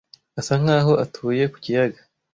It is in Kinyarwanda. Asa nkaho atuye ku kiyaga.